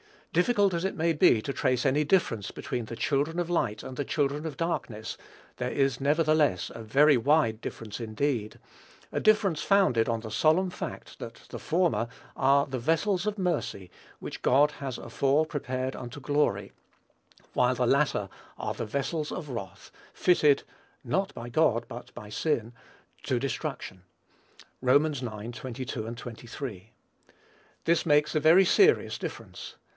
Difficult as it may be to trace any difference between the children of light and the children of darkness, there is nevertheless a very wide difference indeed, a difference founded on the solemn fact that the former are "the vessels of mercy, which God has afore prepared unto glory," while the latter are "the vessels of wrath, fitted (not by God, but by sin) to destruction." (Rom. ix. 22, 23.) This makes a very serious difference.